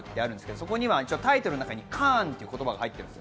そこにはタイトルの中に「カーン」って言葉が入ってるんです。